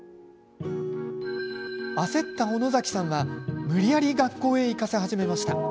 焦った小野崎さんは無理やり学校へ行かせ始めました。